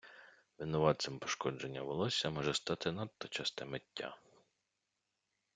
Винуватцем пошкодження волосся може стати надто часте миття.